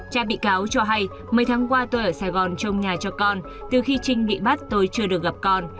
cha bị cáo cho hay mười tháng qua tôi ở sài gòn trong nhà cho con từ khi trinh bị bắt tôi chưa được gặp con